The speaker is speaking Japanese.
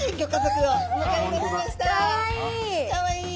かわいい。